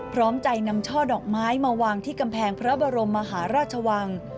พร้อมใจนำช่อดอกไม้มาวางที่กำแพงพระบรมมหาราชวัง